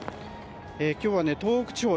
今日は東北地方